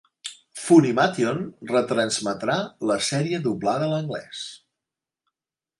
Funimation retransmetrà la sèrie doblada a l'anglès.